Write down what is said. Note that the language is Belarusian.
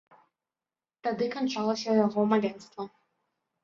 Тады канчалася яго маленства.